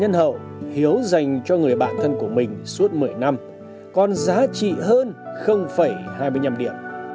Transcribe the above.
nhân hậu hiếu dành cho người bản thân của mình suốt một mươi năm còn giá trị hơn hai mươi năm điểm